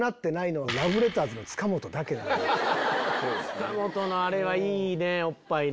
塚本のあれはいいねおっぱいの。